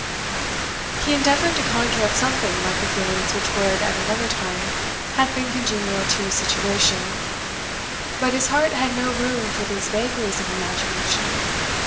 He endeavoured to conjure up something like the feelings which would, at another time, have been congenial to his situation, but his heart had no room for these vagaries of imagination.